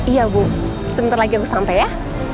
iya bu sebentar lagi aku sampai ya